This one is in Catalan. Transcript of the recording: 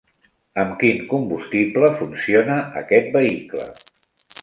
Amb quin combustible funciona aquest vehicle?